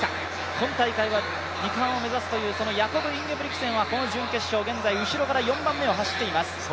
今大会は２冠を目指すという、ヤコブ・インゲブリクセンは現在後ろから４番目を走っています